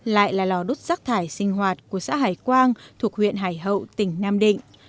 lại là lò đốt rác thải sinh hoạt của xã hải quang thuộc huyện hải hậu tỉnh nam định